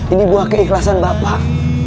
ini buah keikhlasan bapak